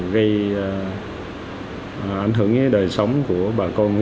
gây ảnh hưởng đến đời sống của bà con